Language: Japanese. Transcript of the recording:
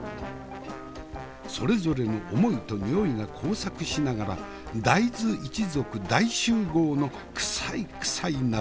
それぞれの思いと匂いが交錯しながら大豆一族大集合のクサいクサい鍋。